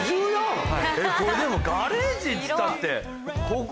これでもガレージっつったって。